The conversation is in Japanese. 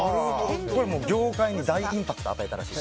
業界に大インパクトを与えました。